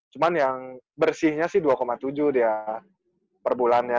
cuma yang bersihnya sih dua tujuh dia perbulannya